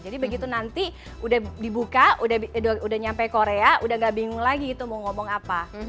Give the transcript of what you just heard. jadi begitu nanti udah dibuka udah nyampe korea udah gak bingung lagi gitu mau ngomong apa